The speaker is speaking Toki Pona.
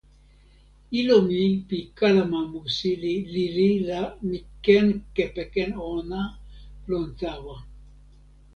ilo mi pi kalama musi li lili la mi ken kepeken ona lon tawa.